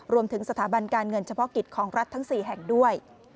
รวมถึงสถาบันการเงินเฉพาะกิจของรัฐทั้ง๔แห่งด้วย